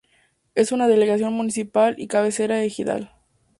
Es una delegación municipal y cabecera ejidal.